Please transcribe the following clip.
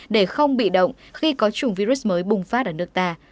để không bị động khi có chủng virus mới bùng phát ở nước ta